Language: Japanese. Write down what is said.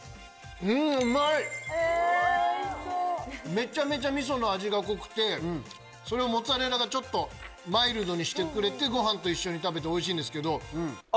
めちゃめちゃ味噌の味が濃くてそれをモッツァレラがちょっとマイルドにしてくれてご飯と一緒に食べておいしい。